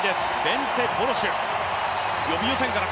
ベンツェ・ボロシュ。